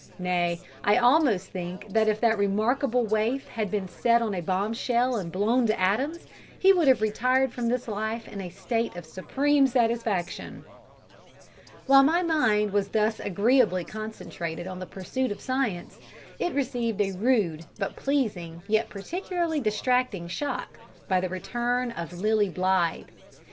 Nay, I almost think that if that remarkable waif had been set on a bombshell and blown to atoms, he would have retired from this life in a state of supreme satisfaction. While my mind was thus agreeably concentrated on the pursuit of science, it received a rude, but pleasing, yet particularly distracting shock, by the return of Lilly Blythe.